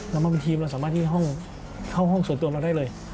แล้วมันเป็นทีมเราสามารถที่ห้องเข้าห้องส่วนตัวเราได้เลย